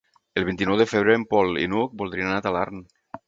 El vint-i-nou de febrer en Pol i n'Hug voldrien anar a Talarn.